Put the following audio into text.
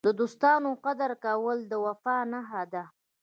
د دوستانو قدر کول د وفا نښه ده.